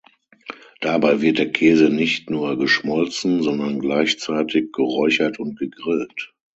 Dabei wird der Käse nicht nur geschmolzen, sondern gleichzeitig geräuchert und gegrillt.